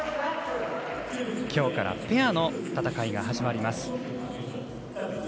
きょうからペアの戦いが始まります。